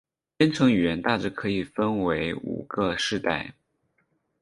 编程语言大致可以分为五个世代。